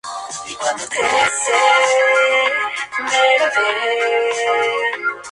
Su episcopado se caracterizó por los enfrentamientos con el Cabildo Catedralicio.